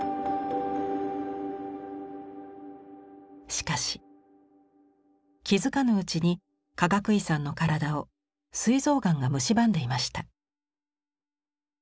しかし気付かぬうちにかがくいさんの体をすい臓がんがむしばんでいました。